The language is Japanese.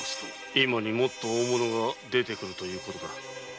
今にもっと大物が出てくるということだ。